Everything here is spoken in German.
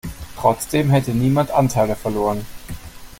Trotzdem hätte niemand Anteile verloren.